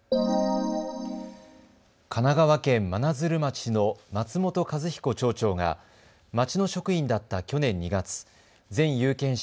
神奈川県真鶴町の松本一彦町長が町の職員だった去年２月、全有権者